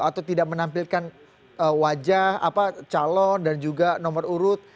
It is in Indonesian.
atau tidak menampilkan wajah calon dan juga nomor urut